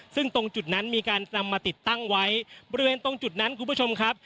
ซึ่งตรงจุดนั้นมีการนำมาติดตั้งไว้บริเวณตรงจุดนั้นคุณผู้ชมครับ